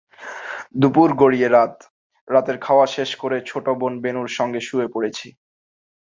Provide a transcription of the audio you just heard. দুপুর গড়িয়ে রাত, রাতের খাওয়া শেষ করে ছোট বোন বেণুর সঙ্গে শুয়ে পড়েছি।